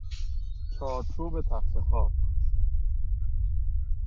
چارچوب تختخواب